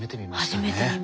初めて見ました。